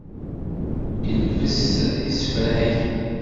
Yelbes isefreg.